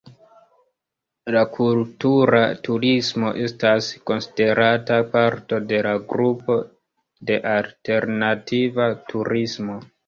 La kultura turismo estas konsiderata parto de la grupo de "alternativa turismo".